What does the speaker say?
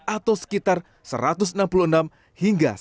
atau sekitar satu ratus enam puluh enam miliar dolar amerika